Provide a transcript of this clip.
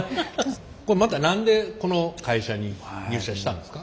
また何でこの会社に入社したんですか？